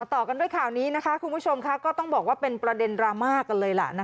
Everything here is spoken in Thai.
ต่อกันด้วยข่าวนี้นะคะคุณผู้ชมค่ะก็ต้องบอกว่าเป็นประเด็นดราม่ากันเลยล่ะ